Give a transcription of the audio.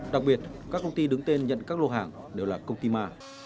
đặc biệt các công ty đứng tên nhận các lô hàng đều là công ty ma